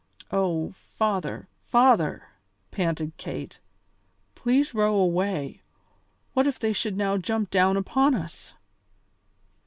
"Oh, father, father!" panted Kate, "please row away. What if they should now jump down upon us?"